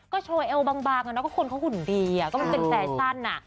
ก็โชว์เอลบางแล้วก็คนเขาหุ่นดีอ่ะก็มันเป็นแฟนสั้นอ่ะ